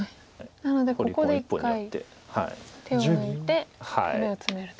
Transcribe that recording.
なのでここで一回手を抜いてダメをツメると。